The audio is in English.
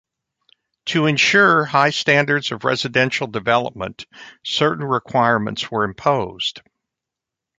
To ensure high standards of residential development, certain requirements were imposed.